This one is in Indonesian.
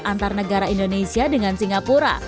antar negara indonesia dengan singapura